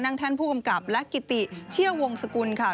แท่นผู้กำกับและกิติเชี่ยววงสกุลค่ะ